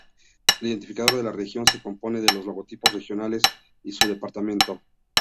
El identificador de la región se compone de los logotipos regionales y su departamento.